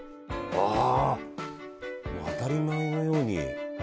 ああ当たり前のように。